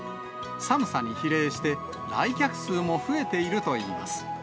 寒さに比例して、来客数も増えているといいます。